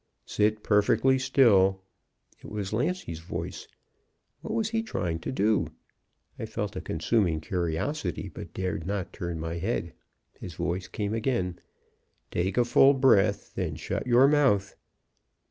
"'Sit perfectly still.' "It was Lancy's voice. What was he trying to do? I felt a consuming curiosity, but dared not turn my head. His voice came again: "'Take a full breath; then shut your mouth.'